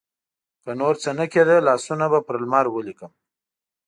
که نورڅه نه کیده، لاسونه به پر لمر ولیکم